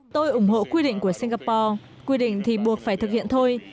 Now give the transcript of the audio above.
tôi ủng hộ quy định của singapore quy định thì buộc phải thực hiện thôi